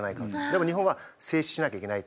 でも日本は静止しなきゃいけないっていう。